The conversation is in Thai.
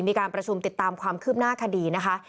มีการประชุมติดตามความคืบหน้าคดีนะคะ